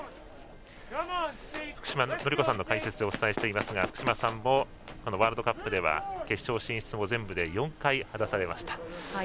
福島のり子さんの解説でお伝えしていますが、福島さんもワールドカップでは決勝進出も全部で４回果たされました。